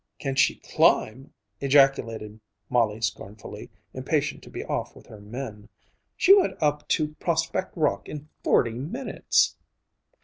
"Can she climb!" ejaculated Molly scornfully, impatient to be off with her men. "She went up to Prospect Rock in forty minutes."